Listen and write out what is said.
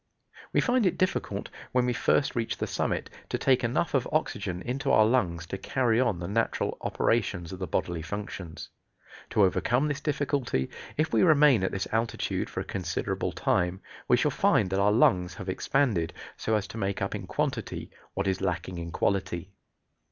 We find it difficult, when we first reach the summit, to take enough of oxygen into our lungs to carry on the natural operations of the bodily functions. To overcome this difficulty, if we remain at this altitude for a considerable time, we shall find that our lungs have expanded, so as to make up in quantity what is lacking in quality.